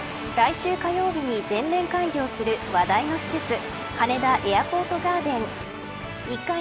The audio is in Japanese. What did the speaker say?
来週火曜日に全面開業する話題の施設羽田エアポートガーデン。